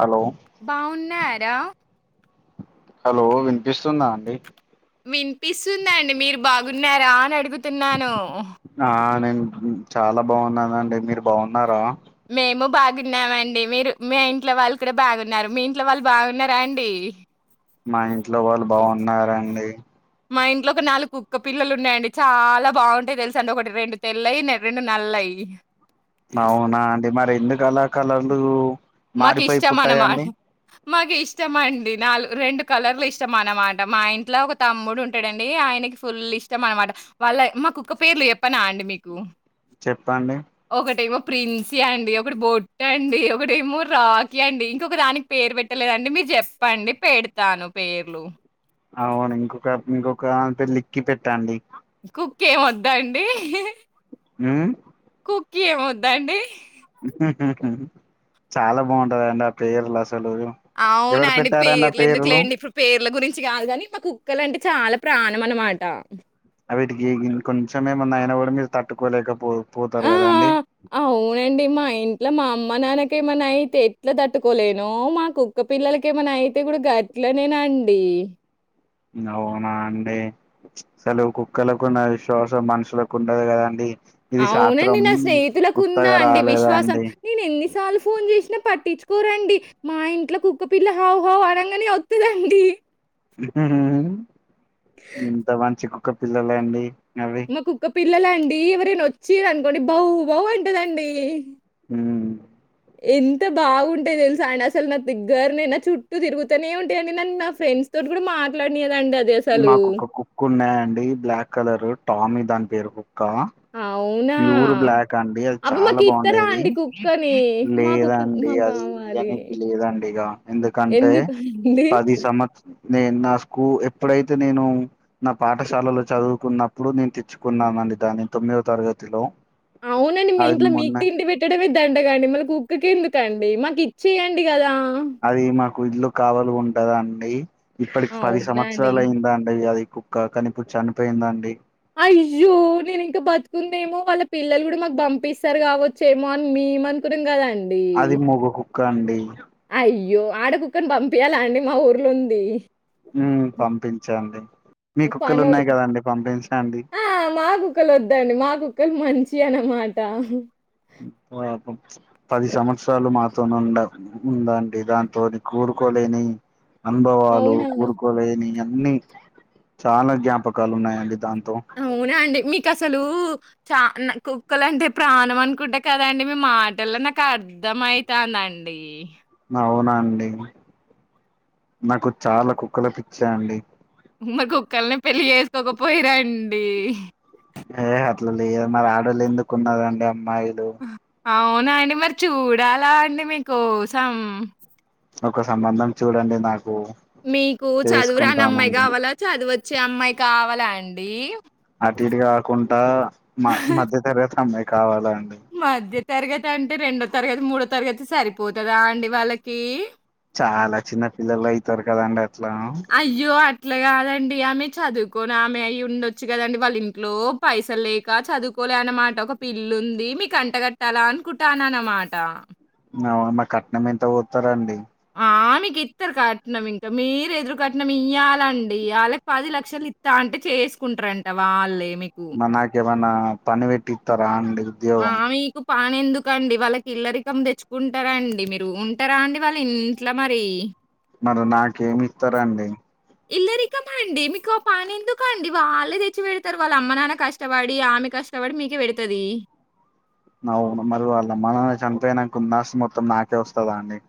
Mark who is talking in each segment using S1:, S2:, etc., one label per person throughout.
S1: Hello
S2: బావున్నారా
S1: hello వినిపిస్తుందా అండి
S2: వినిపిస్తుందండి మీరు బాగున్నారా అని అడుగుతున్నాను
S1: ఆ నేను చాలా బాగున్ననండి మీరు బావున్నారా
S2: మేము బాగున్నామండి మీరు మీ ఇంట్లో వాళ్ళు కూడా బాగున్నారు మీ ఇంట్లో వాళ్ళు బావున్నారాండి ఇహ్
S1: మా ఇంట్లో వాళ్ళు బావున్నారండి
S2: మా ఇంట్లోక నాలుగు కుక్క పిల్లలు ఉన్నయండి చాలా బావుంటాయి దెల్సాండి ఒకటి రెండు తెల్లయి నే రెండు నల్లయి
S1: అవునా అండి మరెందుకలా కలలు
S2: మాకిష్టమనమాట మాకిష్టమండి నాలుగు రెండు కాలర్ల ఇష్టం అనమాట. మా ఇంట్ల ఒక తమ్ముడు ఉంటడండి ఆయన నీకి ఫుల్ ఇష్టం అనమాట వాళ్ళ మాకు కుక్క పేర్లు జెప్పనాండి మీకు.
S1: చెప్పండి
S2: ఓకటేమో ప్రిన్సీ అండి, ఒకటి బొట్టండి, ఒకటేమో రాకి అండి, ఇంకొక దాన్కి పేరు పెట్టలేదండి. మీర్ జెప్పండి పెడ్తాను పేర్లు
S1: అవును ఇంకొక ఇంకొక అంత లిక్కి పెట్టండి
S2: కుక్కెం వద్దా అండి
S1: ఉమ్
S2: కుక్కీ ఏమొద్దా అండి
S1: ఉహుహు చాలా బాగుంటదండి ఆ పేర్లు అసలు ఎవరు
S2: అవునాండి
S1: పెట్టారండి ఆ
S2: పేర్లు ఎందుకులేండి. ఇప్పుడు పేర్ల గురించి చిగాదు కాని మా కుక్కల అంటే చాలా ప్రాణం అనమాట.
S1: అవిటికి కొంచెం ఏమున్నా అయినా కూడా మీరు తట్టుకోలేకపో పోతరు
S2: ఆ!
S1: కదాండి.
S2: ఇగ మా అమ్మ నాన్నక ఏమన్నాయితే ఎట్లా తట్టుకోలేనో, మా కుక్క పిల్లలకేమన్నయితే కూడా గట్ ట్లనేనండి
S1: అవునా అండీ అసలు కుక్కలకున్న విశ్వాసం మనుషులకుండదు కదండి. ఇది
S2: అవునండి
S1: శాస్త్రం
S2: నా స్నేహితులకుందా
S1: ఉత్తగా
S2: అండి
S1: రాలేదా
S2: విశ్వాసం
S1: అండి
S2: నేను ఎన్ని సార్లు ఫోన్ చేసిన పట్టించుకోరండి. మా ఇంట్లో కుక్కపిల్ల హౌ హౌ అనంగనే వత్తదండి.
S1: ఉహుహు ఇంత మంచి కుక్క పిల్లలండి. అవి
S2: మా కుక్క పిల్లలండి ఎవరైనా వచ్చిరనుకోండి బౌ బౌ అంటదండి.
S1: ఉమ్
S2: ఎంత బాగుంటయి తెలుసా అండి. అసలు నా దగ్గరనే నా చుట్టూ తిరుగుతనే ఉంటాయండి నన్ను నా ఫ్రెండ్స్ తో తోటి కూడా మాట్లాడనీయదండి అది అసలు
S1: అండి బ్లాక్ కలరు టామి దాని పేరు కుక్క
S2: అవునా!
S1: ప్యూర్ బ్లాక్ అండి అది
S2: అబ్బ!
S1: చాలా
S2: మాకిత్తరా
S1: బావుండేది.
S2: అండి కుక్కని? మా కుక్క
S1: లేదాండి
S2: మాకు
S1: అ గది
S2: గావాలి.
S1: యాన్ని వెళ్లి రండి ఇగ ఎందుకంటే
S2: ఎందుకండి?
S1: పది సంమత్స నేను నాస్కు ఎప్ ఇప్పుడైతే నేను నా పాఠశాలలో చదువుకున్నప్పుడు నేను తెచ్చుకున్నామండి. దాని తొమ్మిదొ తరగ తిలో
S2: అవునండి మీ ఇంట్లో మీకు తిండి పెట్టడమే దండగండి. మళ్ళ కుక్కకు ఎందుకు? కండి మాకు ఇచ్చేయండి గదా.
S1: అది మాకు ఇల్లు కావాలిగుంటదండి. ఇప్పటికి పది
S2: అవునా అండి.
S1: సంవత్సరాలు అయిందా అండి అది కుక్క కని ఇప్పుడు చనిపోయిందండి?
S2: అయ్యోయ్యో నేను ఇంకా బతుకుందేమో వాళ్ళ పిల్లలు కూడా మాకు పంపిస్తారు కావొచ్చేమో అని మీ మీ మనుకున్నం కదండి
S1: అది మొగ కుక్క అండి.
S2: అయ్యో ఆడ కుక్కని పంపియాల అండి మా ఊర్లో ఉంది.
S1: ఉమ్ పంపించండి. మీ కుక్కలు
S2: పనోల్
S1: ఉన్నాయి కదండి పంపించండి
S2: ఆ మా కుక్కలు వద్దండి మా కుక్కలు మం చియనమాట
S1: ప పది సంవత్సరాలు మాతోని ఉండ ఉందండి దాంతోని కూ కోలేని అనుభవాలు
S2: అవునా?
S1: కూరుకోలేని అన్ని చాలా జ్ఞాపకాలు ఉన్నాయండి దానితో.
S2: అవునా అండి మీ కసలు చా నా కుక్కలు అంటే ప్రాణం అనుకుంట కదా అండి. మీ మాటల్లో నాకు అర్ ర్థమయితాందండి.
S1: అవునా అండి నాకు చాలా కుక్కల పిచ్చేఅండి.
S2: మరి కుక్కల్నే పెళ్లి చేసుకోకపోయిర అండి
S1: ఏ అట్లు లేదు మరి ఆడోల్లు ఎందుకు ఉన్నరండి అమ్మాయిలు?
S2: అవునా అండి మరి చూడాలా అండి మీకోసం
S1: ఒక సంబంధం చూడండి నాక్
S2: మీకు చదువురాని అమ్మాయి కావాలా చదువచ్చే అమ్మాయి కావాలా అండి
S1: అటు ఇటు కాకుండా మ మధ్య తరగతి అమ్మాయి కావాల
S2: మధ్య తరగతి అంటే రెండో తరగతి మూడో తరగతి సరిపోతదా అండి వాళ్ళకీ
S1: తర్ కదండీ
S2: అయ్యో అ ఇట్లా కాదండి ఆమె చదువుకోని ఆమె అయి ఉండొచ్చు కదండి. వాళ్ళ ఇంట్లో పైసలు లేక చదువుకో పోలే అనమాట ఒక పిల్లుంది. మీకు అంటగట్టాల అనుకుంటాన అన్నమాట.
S1: అవునా కట్నం ఎంత పోత్తరండి?
S2: ఆమెకి ఇస్తారు కట్నం ఇంకా మీరు ఎదురు కట్నం ఇయ్యాలండి అళ్ళకి పది లక్షలు ఇత్త అంటే చేసుకుంటారంట వాళ్లే
S1: మనకే మనా పనివెట్టితారా అండి ఉద్యోగం
S2: పని ఎందుకు అండి వాళ్ళకి ఇల్ల రికం తెచ్చుకుంటారండి మీరు ఉంటారా అండి వాళ్ల ఇంట్ల మరి
S1: మరి నాకేమి ఇత్తరండి
S2: ఇల్ల రికమండి మీకు పని ఎందుకు అండి వాళ్ళే తెచ్చి పెడతారు వాళ్ళ అమ్మ నాన్న కష్టపడి ఆమె క ష్టబడి మీకే పెడతది
S1: అవును మరి వాళ్ళ అమ్మ నాన్న చనిపోయినాక ఉన్న ఆస్థి మొత్తం నాకే వస్తదా అండి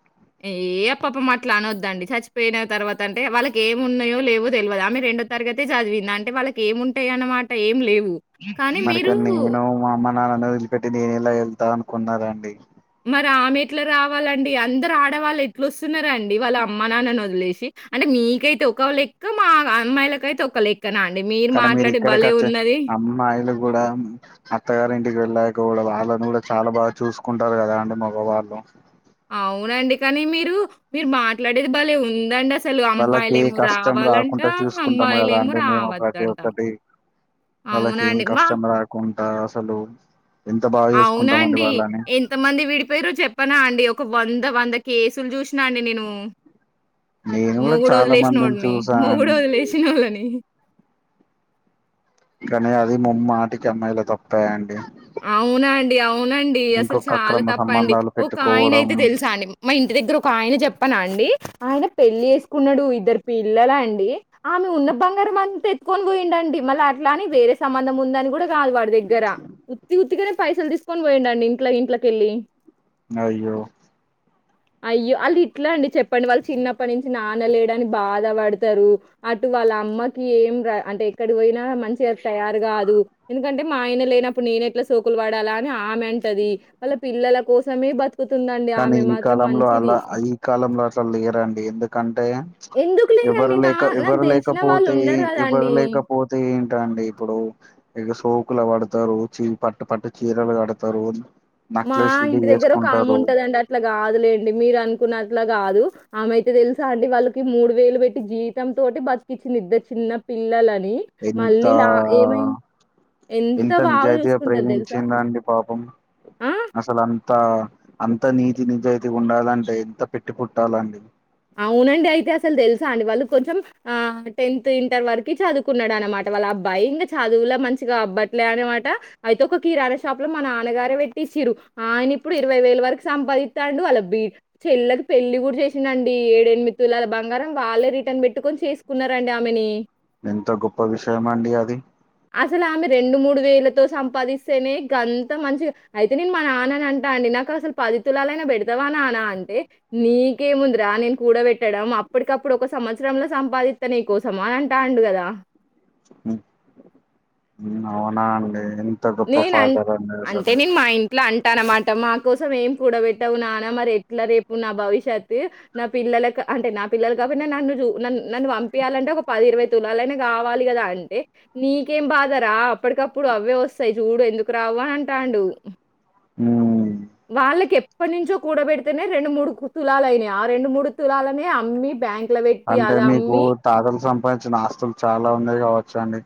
S2: ఏ పాపం అట్ల అనొద్దండి చచ్చిపోయిన తర్వాత అంటే వాళ్ళకి ఏమి ఉన్నాయో లేవో తెల్వదు ఆమె రెండో తర తగతే చదివింది అంటే వాళ్ళకి ఏంటాయి అన్నమాట ఏం లేవు కానీ
S1: మరికడ
S2: మీరు
S1: నేను మా అమ్మ నాన్నని వదిలిపెట్టి నేను ఎలా వెళ్తా అనుకున్నారు అండి
S2: మరి ఆమె ఎట్లా రావాలండి అందరు ఆడవాళ్ళు ఎట్ల వస్తున్నారాండి వాళ్ళ అమ్మ నాన్నని వదిలేసి అంటే మి మీకైతే ఒకలెక్క మా అమ్మాయిలకైతే ఒక లె
S1: కానీ మీరు ఇక్కడికచ్చి అమ్మాయిలు కూడా అత్తగారు ఇంటికి వెళ్ళాక కూడా వాళ్ళని కూడా చాలా బాగా చూసుకుంటారు కదా అండి మగవాళ్ళు
S2: అవునండి కానీ మీరు మీరు మాట్లాడేది భలే ఉందండి అస్
S1: వాళ్ళకి ఏ కష్టం రాకుండా చూసుకుంటాము కదా
S2: అమ్మాయిలేమో
S1: అండి మేము ప్రతి
S2: రావద్దంట.
S1: ఒక్కటి వాళ్ళకి ఏం
S2: అవునండి. మా
S1: కష్టం రాకుంట అసలు ఎంత బాగా చూసుకుంటామండి
S2: అవునండి
S1: వాళ్ళని
S2: ఎంత మంది విడిపోయిర్రో చెప్పనా అండి ఒక వం ద వంద కేసులు చూసినా అండి నేను
S1: నేను కూడా
S2: మొగుడు
S1: చాలా మందిని
S2: వద్లేసినోడ్ని మొగుడు
S1: చూసానండి
S2: వద్లేసినోళని
S1: కానీ అది ముమ్మాటికీ అమ్మాయిల తప్పే అండి
S2: అవునా అండి అవు అవునండి అసలు
S1: ఇంకొక
S2: చాలా
S1: అక్రమ
S2: తప్పు అండి
S1: సంబంధాలు
S2: ఒక ఆయన
S1: పెట్టుకోవడం
S2: అయితే తెలుసా అండి మా ఇంటి దగ్గర ఒక ఆయన చెప్పన అండి ఆయన పెళ్లి వేసుకున్నాడు ఇద్దరు పిల్లల అండి ఆమె ఉన్న బంగారం అంత ఎత్తుకొని పోయిండండి మళ్ళ అట్లాని వేరే సంబంధం ఉందని కూడా కాదు వాడి దగ్గర ఉత్తి ఉత్తిగానే పైసలు తీసుకొని పోయిండు అండి ఇంట్ల ఇంట్లకెళ్లి
S1: అయ్యో
S2: అయ్యో అళ్ళు ఇట్లా అండి చెప్పని వాళ్ళు చిన్నప్పటి నుంచి నాన్నలేడానికి బాధ పడతారు అటు వాళ్ళ అమ్మకి ఏం ర అంటే ఎక్కడ పోయినా మంచిగా తయారు గాదు ఎందుకంటే మా ఆయన లేనప్పుడు నేనెట్ల సోకులు పడాలా అని ఆమె అంటది వాళ్ళ పిల్లల కోసమే బతుకుతుందండి
S1: కానీ
S2: ఆమె
S1: ఈ
S2: మా
S1: కాలంలో అలా ఈ కాలంలో అట్లా లేరండి ఎందుక అంటే
S2: ఎందుకు
S1: ఎవరు
S2: లేరండి నా
S1: లేక
S2: నాకు
S1: ఎవరు
S2: దెలిసిన వాళ్ళు
S1: లేకపోతే
S2: ఉన్నారు
S1: ఎవరు
S2: గదండీ.
S1: లేకపోతే టే అండి ఇప్పుడు ఇగ సోకులు పడతారు చీ పట్టు పట్టు చీరలు కడతారు
S2: మా
S1: నక్లెస్లు
S2: ఇంటి దగ్గర ఒక ఆమె
S1: వేసుకుంటారు
S2: ఉంటదండి అ అట్లా కాదులేండి మీరు అనుకున్నట్లా కాదు ఆమెయితే తెలుసా అండి వాళ్ళకి మూడు వేలు పెట్టి జీతం తోటి బతకిచ్చింది ఇద్దరు చిన్న పిల్లలని
S1: ఎంతా
S2: మళ్ళీ లా ఏమైంది
S1: ఎంత
S2: బాగా
S1: నిజాయితీగా
S2: చూసుకుంటది తెలుసా?
S1: ప్రేమించిందండి పాపం
S2: ఆ!
S1: అసలు అం త అంత నీతి నిజయితీగ ఉండాలంటే ఎంత పెట్టి పుట్టాలండి
S2: అవు నండి అయితే అసలు తెలుసా అండి వాళ్ళు కొంచెం ఆ టెన్త్ ఇంటర్ వరకు చదువుకున్నాడు అనమాట వాళ్ళ అబ్బాయి ఇంగ చదువులో మంచిగా అబ్బట్లే అనమాట అయితే ఒక కిరాణ షాప్ ల మా నాన్నగారే పెట్టిచ్చిరు ఆయన ఇప్పుడు ఇరవై వేల వరకు సంపాదిత్తండు వాళ్ళ బీ చెల్లకి పెళ్ళి కూడా చేసిండ ఏడేనిమిద్ తులాల బంగారం వాళ్ళే రిటర్న్ పెట్టుకొని చేసుకున్నారండి ఆమెని
S1: ఎంత గొప్ప విషయం అండి అది
S2: అసలు ఆమె రెండు మూడు వేలతో సంపాదిస్తేనే గంత మంచిగా అయితే నేను మా నాన్నని అంటా అండి నాకు అసలు పది తులాలైనా పెడతావా నాన్న అంటే నీకేముందరా నేను కూడపెట్టడం అప్పడికప్పుడు ఒక సంవత్సరంలో సంపాదిత్త నీ కోసం అని అంటాం ండు కదా
S1: మ్ అవునా అండి గొప్ప
S2: నేనం
S1: ఫాదర్ అండి
S2: అంటే
S1: అసలు
S2: నేను మా ఇంట్ల అం టనమాట మా కోసం ఏం కూడబెట్టవు నాన్న మరి ఎట్ల రేపు నా భవిష్యత్ నా పిల్లలక్ అంటే నా పిల్లలు కాపోయిన నన్ను జు నన్ నన్ను పంపియాలంటే ఒక పది ఇరవై తులాలైనా కావాలి కదా అంటే నీకేం బాధరా అప్పటికప్పుడు అవే వస్తాయి చూడు ఎందుకు రావు అంటాండు
S1: మ్
S2: వాళ్ళకి ఎప్పటి నుంచో కూడపెడ్తనే రెండు మూడు తులాలైనై ఆ రెండు మూడు తులాలనే అమ్మి బ్యాంక్
S1: అంటే మీకు తాతలు సంపాదించిన ఆస్తులు చాలా ఉన్నయ్ కావచ్చండి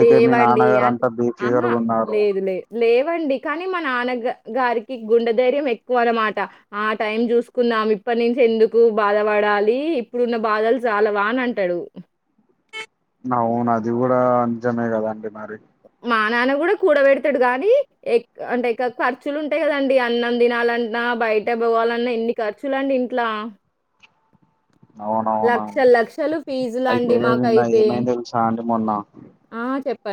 S2: లేవండి అట్
S1: ఫిగర్
S2: ఆహా
S1: ఉన్నారు
S2: లేదు లే లేవండి కానీ మా నాన్న గ గారికి గుండె ధైర్యం ఎక్కువనమాట ఆ టైం చూసుకుందాం ఇప్పటి నుంచె ఎందుకు బాధపడాలి ఇప్పుడున్న బాధలు చాలా వా అని అంటాడు
S1: అవును అది కూడా నిజమే కదాండి మరి
S2: మా నాన్న కూడా కూడబెడ్తాడూ కానీ ఎ అంటే ఎక్వ ఖర్చులు ఉంటాయి కదండి అన్నం తినాలన్నా బ బైయట బోవాలన్నా ఎన్ని ఖర్చులండి ఇంట్లా
S1: అవునవునా
S2: లక్షలు లక్షలు
S1: అయితే
S2: ఫీజులండి
S1: నిన్న
S2: మాకైతే.
S1: ఏమైందెల్సాండి మొన్న
S2: ఆ!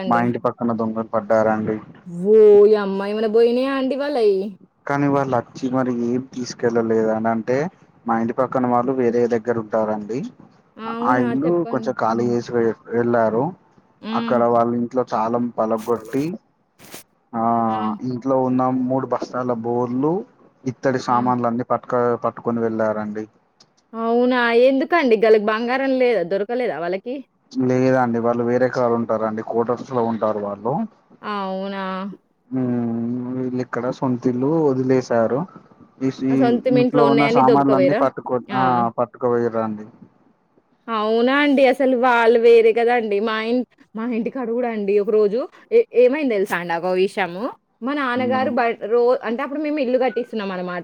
S1: మా ఇంటి పక్కన దొంగలు పడ్డారం
S2: ఓ యమ్మా ఏమైనా బోనయాండీ వాలై
S1: కానీ వాళ్ళచ్చి మరి ఏం తీస్కెల్లలేదనంటే అని ఇంటి పక్కన వాళ్ళు వేరే దగ్గర ఉంటారండి ఆ
S2: అవునా?
S1: ఇల్లు
S2: చెప్పండి.
S1: కొంచెం ఖాళీ
S2: హ్మ్.
S1: చేసి వె వెళ్ళారు అక్కడ
S2: హ్మ్.
S1: వాళ్ళింట్లో చాలా పలకొట్టి ఆ ఇంట్లో ఉన్న మూడు బస్తాల బోళ్ళు ఇత్తడి
S2: ఆ!
S1: సామాన్లన్నీ పట్క పట్టుకొని వెళ్ళారండి
S2: అవునా ఎందుకండి గాలకి బంగారం లేదా దొరకలేదా వాళ్ళకి
S1: లేదండి వాళ్ళు వేరే కాడుంటారండి కోటర్స్ లో ఉంటారు వాళ్ళు
S2: అవునా
S1: మ్ వీళ్ళిక్కడ సొంతిల్లు వదిలేసారు తిసీ
S2: సొంతం
S1: ఇంట్లో ఉన్న
S2: ఉన్నయన్ని
S1: సామాన్లన్ని
S2: దొబకవేరా?
S1: పట్టుకో ఆ పట్టుకపోయిరండి
S2: అవునాండి అసలు వాళ్ళు వేరే కదండి మా ఇం మా ఇంటి కాడగుడండి రోజు ఏమైంది తెలుసాండి ఒక విషయము మా నాన్నగారు
S1: ఉమ్
S2: బై రోజ అంటే అప్పుడు మేము ఇల్లు కట్టిస్తున్నాం అనమా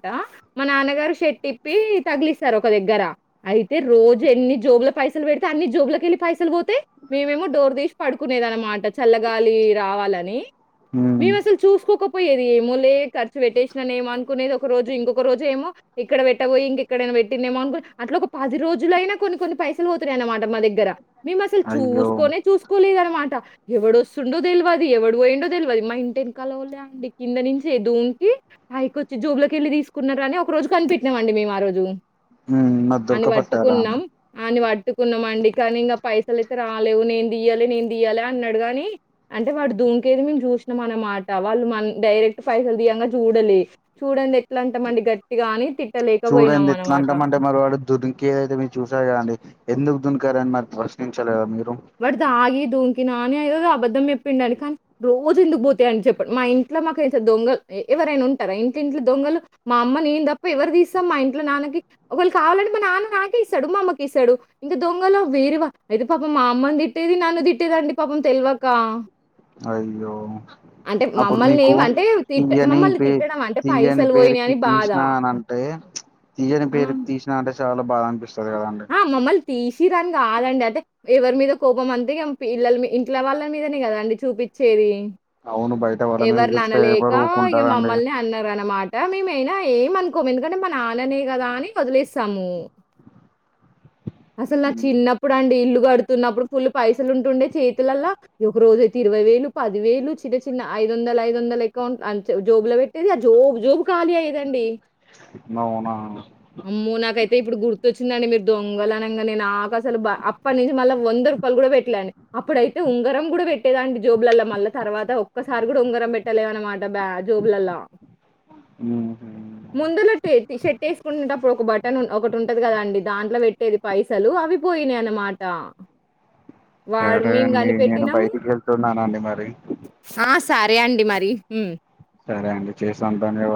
S2: మా నాన్నగారు షర్టీప్పి తగ్లిస్తారు ఒక దగ్గర అయితే రోజు ఎన్ని జోబ్ల పైసలు పెడితే అన్ న్ని జోబ్లకెళ్ళి పైసలు పోతై మేమేమొ డోర్ తీస్ పడుకునేదమాట చల్లగాలి రావాలని మేము అసలు చూస్కోకపోయేది ఏమో లే ఖర్చు పెట్టేస్నానేమో అనుకునేది ఒ ఒక రోజు ఇంకొక రోజెమో ఇక్కడ పెట్టబోయి ఇంకెక్కడైనా పెట్టింన్నేమో అనుకో అట్లొక పది రోజులైనా కొన్ని కొన్ని పైసలు వోతున్నయనమాట మా దగ్గర మేము అస్సలు
S1: అయ్యో
S2: చూస్కోనే చూస్కోనేలేదన్ మాట ఎవడోస్సుండో దెల్వది ఎవడు వోయిండో దెల్వది మా ఇంటెంకాలోల్లే అండి కింద నుంచి దుం తే పైకొచ్చి జాబ్లోకెళ్లి తీస్కున్నారని ఒక రోజు కనిపెట్నం అండి మేము ఆ రోజు
S1: ఉమ్ మరి
S2: అన్ని
S1: దొరకపట్టారా
S2: పట్టుకున్నాం
S1: అండి
S2: అన్ని పట్ ట్టుకున్నామండి కానీ ఇంగ పైసలైతే రాలేవు నేన్ దియ్యలె నేను దియ్యలే అన్నాడు గానీ అంటే వాడు దో ఇంకేది మేము చూస్నమనమాట వాళ్ళు మ డైరెక్ట్ పైసలు తీయంగా జూడలే సూడందె ట్లంటమండి గట్టిగాని తి
S1: చూడండి ఎట్లాంటామంటే మరి వాడు దొరికే ఏదైతే మీరు చూసేర్గాదేండి ఎందుకు దుంకారని మరి ప్రశ్నించ లేదా మీరు
S2: వడు తాగి దుంకినా అని అదో అబద్ధం చెప్పిండని కానీ రోజు ఎందుకు పోతాయండ్ చెప్పండ్ మా ఇంట్ల మాకు తెల్స దొంగల్ ఎ ఎవరైనా ఉంటారా ఇంట్ ఇంట్ల దొంగలు మా అమ్మ నేం తప్ప ఎవరు తీస్తాం మా ఇంట్లో నాన్నకి ఒకళ్ళ కావాలంట్ నాన్న నాకిస్తాడు మామ్మకి ఇస్తాడు ఇంకా దొంగలో వేరేవా అయితే పాప మా అమ్మన్ తిట్టేది నను తిట్టేదండి పాపం తెలివాకా
S1: అయ్యో అప్పుడు
S2: మమ్మల్ని
S1: మీకు
S2: ఏం అంటే తిట్ట
S1: తీయని
S2: మమ్మల్ని
S1: పేరు
S2: తిట్టడం అంటే
S1: తీయని
S2: పైసలు
S1: పేరుకి
S2: పోయినాయని బాధ.
S1: తీశ్న అని అంటే తీయని
S2: ఆ!
S1: పేరు తీశ్న అంటే చాలా బాగా అనిపిస్తుంది
S2: ఆ మమ్మల్ని తీసిరాని కాదండి అతే ఎవరి మీద కోపం అంతేగా పిల్లల ఇంట్ల వాళ్ళ మీదనే కదండి చూపించేది
S1: అవును బయట వాళ్ళ మీద
S2: ఎవరిని
S1: చూస్తే ఎవరు
S2: అనలేకా
S1: ఊకుంటారండి
S2: మమ్మల్నే అన్నారన్నమాట మేమైనా ఏం అనుకోము ఎందుకంటే మా నాన్ననే కదా అని వదిలేస్తాము అసలు నా చిన్నప్పుడండి ఇల్లు కడుతున్నప్పుడు ఫుల్ పైస పైసలుంటుండే చేతులల్లో ఒక రోజైతే ఇరవై వేలు పది వేలు చిన్న చి చిన్న ఐదు వందల ఐదు వందల అకౌంట్ అంత జోబ్లో పెట్టేది ఆ జబ్ జోబ్ ఖాళీ అయ్యదండి
S1: అవునా
S2: అమ్మో నాకైతే ఇప్పుడు గుర్తోచ్చి చిందండి మీరు దొంగలనంగనె నాకసలు అప్పటి నుంచి మళ్ళీ వంద రూపాయలు కూడా పెట్టలేండి అప్పుడైతే ఉంగరం కూడా పెట్టేదాండి జోబ్లలో మళ్ళ తర్వాత ఒక్కసారి కూడా ఉంగరం పెట్టలేమనమాట బా జోబ్లలా ముందునుట్టిసుకుంట ఇప్పుడు ఒక బటన్ ఒకటుంటది కదా అండి దాంట్లో పెట్టేది పైసలు అవి పోయ్నాయి అనమాట
S1: సరే అండి నేను బయటికి వెళ్తున్నానండి మరి
S2: ఆ! సరే అండి మరి
S1: సరే అండి చేసంతాని